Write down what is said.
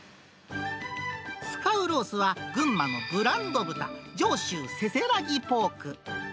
使うロースは、群馬のブランド豚、上州せせらぎポーク。